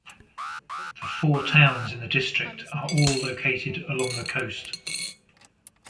The four towns in the District are all located along the coast.